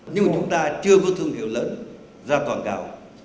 nhưng mà chúng ta chưa có thương hiệu lớn ra toàn cầu